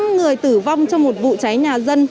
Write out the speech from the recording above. năm người tử vong trong một vụ cháy nhà dân